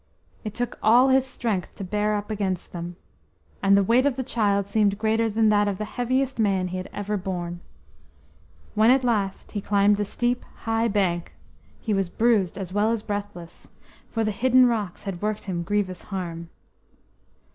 It took all his strength to bear up against them, and the weight of the child seemed greater than that of the heaviest man he had ever borne. When at last he climbed the steep, high bank, he was bruised as well as breathless, for the hidden rocks had worked him grievous harm.